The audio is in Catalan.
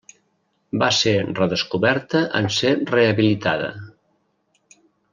Va ser redescoberta en ser rehabilitada.